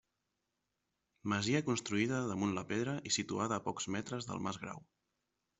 Masia construïda damunt la pedra i situada a pocs metres del mas Grau.